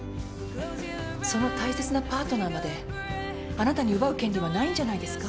その大切なパートナーまであなたに奪う権利はないんじゃないですか？